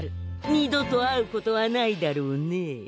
二度と会うことはないだろうね。